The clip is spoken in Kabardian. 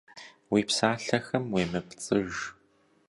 Уи псалъэхэм уемыпцӏыж.